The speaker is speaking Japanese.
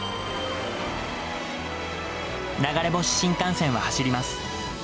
流れ星新幹線は走ります。